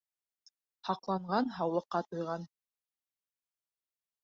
Һаҡланған һаулыҡҡа туйған.